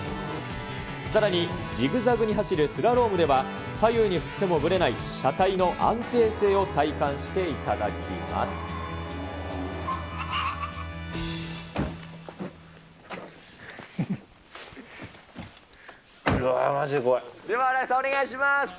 さらに、ジグザグに走るスラロームでは、左右に振ってもぶれない車体の安定性を体感していただきます。